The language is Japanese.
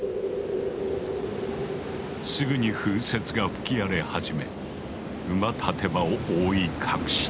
すぐに風雪が吹き荒れ始め馬立場を覆い隠した。